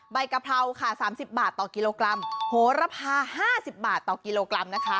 กะเพราค่ะ๓๐บาทต่อกิโลกรัมโหระพา๕๐บาทต่อกิโลกรัมนะคะ